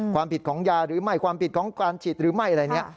ความผิดของยาหรือไม่ความผิดของการฉีดหรือไม่อะไรเนี่ย